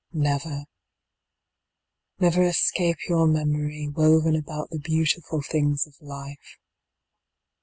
Never escape Your memory vi^oven about the beautiful things of life.